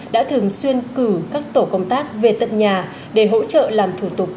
đã thường xuyên cử các tổ công tác về tận nhà để hỗ trợ làm thủ tục